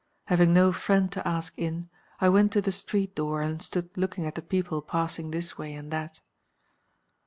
Having no friend to ask in, I went to the street door and stood looking at the people passing this way and that.